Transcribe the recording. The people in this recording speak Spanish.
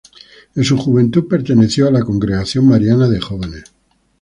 En su juventud perteneció a la congregación mariana de jóvenes.